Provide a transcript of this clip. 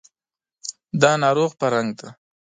دا ناروغ فرهنګ دی